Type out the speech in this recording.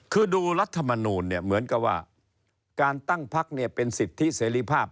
คือดูรัฐมนูลเนี่ยเหมือนกับว่าการตั้งพักเป็นสิทธิเสรีภาพ